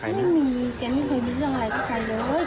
ไม่มีแกไม่เคยมีเรื่องอะไรกับใครเลย